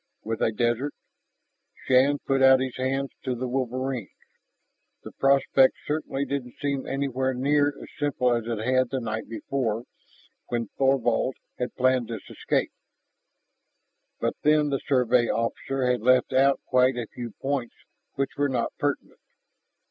With a desert.... Shann put out his hands to the wolverines. The prospect certainly didn't seem anywhere near as simple as it had the night before when Thorvald had planned this escape. But then the Survey officer had left out quite a few points which were not pertinent.